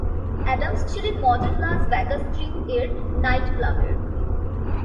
Adams ছিলেন model Las Vegas strip এর nightclub এর।